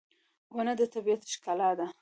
• ونه د طبیعت ښکلا ده.